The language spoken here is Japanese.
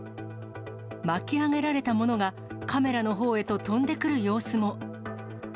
巻き上げられたものが、カメラのほうへと飛んでくる様子も。